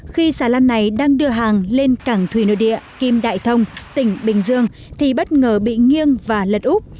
khi xà lan này đang đưa hàng lên cảng thủy nội địa kim đại thông tỉnh bình dương thì bất ngờ bị nghiêng và lật úp